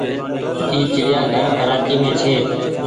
اي چڙيآ گهر ڪرآچي مين ڇي۔